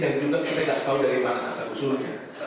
dan juga kita tidak tahu dari mana asal usulnya